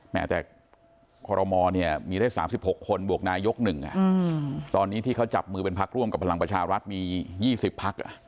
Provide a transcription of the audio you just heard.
แม้แต่ขอรมอเนี่ยมีได้๓๖คนบวกนายกหนึ่งอ่ะตอนนี้ที่เขาจับมือเป็นภักดิ์ร่วมกับพลังประชารัฐมี๒๐ภักดิ์อ่ะ